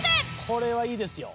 これはいいですよ。